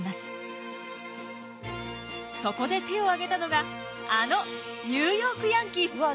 そこで手を挙げたのがあのニューヨーク・ヤンキース。